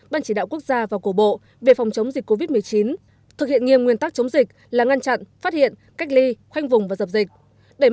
ban chỉ đạo quốc gia và cổ bộ về phòng chống dịch covid một mươi chín